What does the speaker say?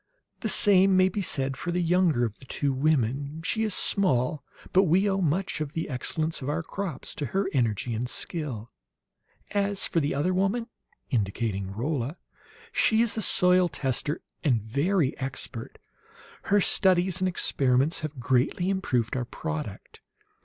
The same may be said for the younger of the two women; she is small, but we owe much of the excellence of our crops to her energy and skill. "As for the other woman," indicating Rolla, "she is a soil tester, and very expert. Her studies and experiments have greatly improved our product.